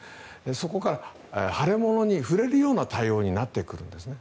そこから腫れ物に触れるような対応になってくるんですね。